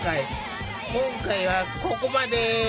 今回はここまで。